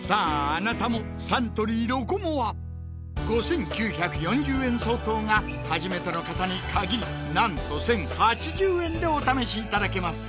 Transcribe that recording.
あなたもサントリー「ロコモア」５９４０円相当が初めての方に限りなんと１０８０円でお試しいただけます